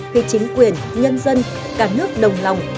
khi chính quyền nhân dân cả nước đồng lòng